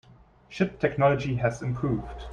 Ship technology has improved.